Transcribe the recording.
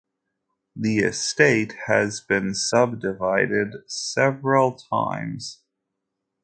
The estate has been subdivided several times.